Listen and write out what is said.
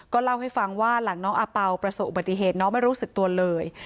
เล่าให้ฟังว่าหลังน้องอาเป่าประสบอุบัติเหตุน้องไม่รู้สึกตัวเลย